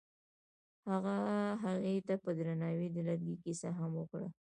هغه هغې ته په درناوي د لرګی کیسه هم وکړه.